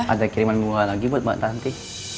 ada kiriman bunga lagi buat mbak ranti